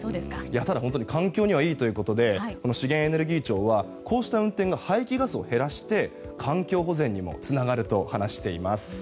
ただ、環境にはいいということで資源エネルギー庁はこうした運転が排気ガスを減らして環境保全にもつながると話しています。